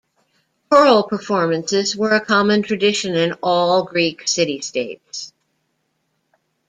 Choral performances were a common tradition in all Greek city-states.